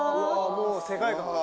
もう世界観が」